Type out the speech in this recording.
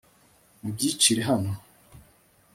mubyicire hano